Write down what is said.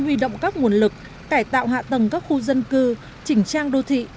huy động các nguồn lực cải tạo hạ tầng các khu dân cư chỉnh trang đô thị